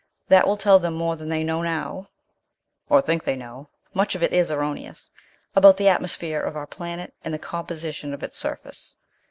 That will tell them more than they know now (or think they know; much of it is erroneous) about the atmosphere of our planet and the composition of its surface.